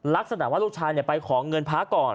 ลักษณะว่าลูกชายไปขอเงินพระก่อน